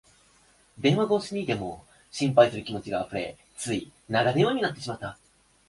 電話越しでも心配する気持ちがあふれ、つい長電話になってしまった